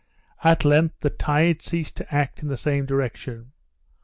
At length the tide ceased to act in the same direction.